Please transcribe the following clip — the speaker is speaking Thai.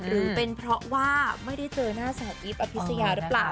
หรือเป็นเพราะว่าไม่ได้เจอหน้าเศร้าอีฟอะภิเษยาฟรรคละปล่า